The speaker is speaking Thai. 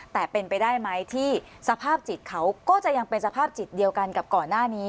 แต่เป็นไปได้ไหมที่สภาพจิตเขาก็จะยังเป็นสภาพจิตเดียวกันกับก่อนหน้านี้